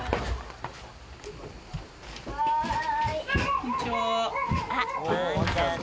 ・こんにちは。